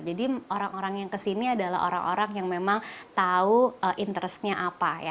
jadi orang orang yang kesini adalah orang orang yang memang tahu interestnya apa